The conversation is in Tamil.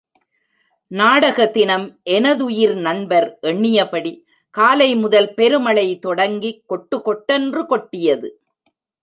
நாடக தினம் எனதுயிர் நண்பர் எண்ணியபடி காலை முதல் பெரும் மழை தொடங்கி, கொட்டு கொட்டென்று கொட்டியது.